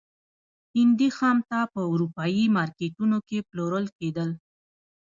هندي خامتا په اروپايي مارکېټونو کې پلورل کېدل.